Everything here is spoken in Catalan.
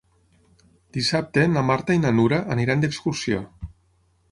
Dissabte na Marta i na Nura aniran d'excursió.